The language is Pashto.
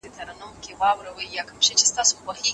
سوال کول سپک کار دی.